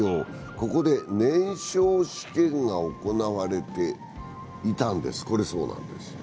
ここで燃焼試験が行われていたんです、これそうなんです。